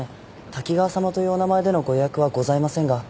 滝川さまというお名前でのご予約はございませんが。